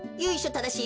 ただしい